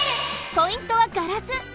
ポイントはガラス！